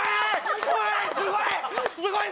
すごい！